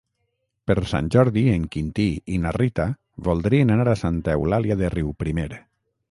Per Sant Jordi en Quintí i na Rita voldrien anar a Santa Eulàlia de Riuprimer.